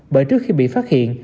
bởi trước khi bị phát hiện